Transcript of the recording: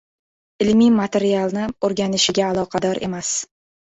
ilmiy materialni oʻrganishiga aloqador emas